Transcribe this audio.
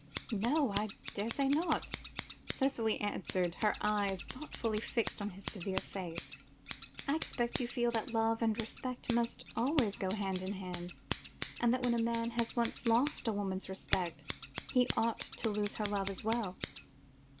"No, I daresay not," Cicely answered, her eyes thoughtfully fixed on his severe face. "I expect you feel that love and respect must always go hand in hand, and that when a man has once lost a woman's respect, he ought to lose her love as well."